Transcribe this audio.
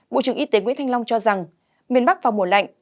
bộ trưởng y tế nguyễn thanh long cho rằng miền bắc vào mùa lạnh